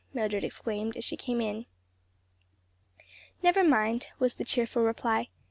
Mildred exclaimed as she came in. "Never mind," was the cheerful reply.